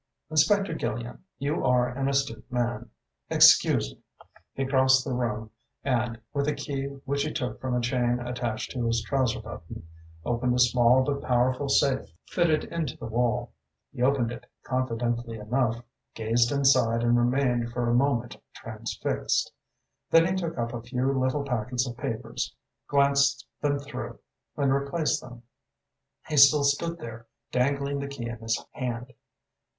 "Inspector Gillan, you are an astute man. Excuse me." He crossed the room and, with a key which he took from a chain attached to his trouser button, opened a small but powerful safe fitted into the wall. He opened it confidently enough, gazed inside and remained for a moment transfixed. Then he took up a few little packets of papers, glanced them through and replaced them. He still stood there, dangling the key in his hard.